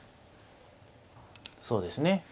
そうですね。